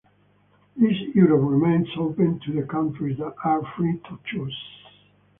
This Europe remains open to all countries that are free to choose.